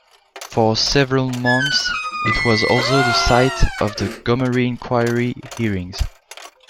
For several months it was also the site of the Gomery Inquiry hearings.